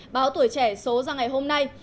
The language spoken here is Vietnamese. báo tuổi trẻ số ra ngày hôm nay